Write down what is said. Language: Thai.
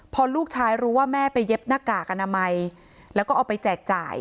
พอลูกชายรู้ว่าแม่ไปเย็บหน้ากากอนามัยแล้วก็เอาไปแจกจ่าย